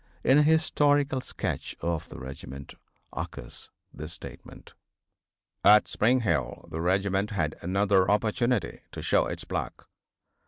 In a historical sketch of the regiment occurs this statement: "At Spring Hill the regiment had another opportunity to show its pluck.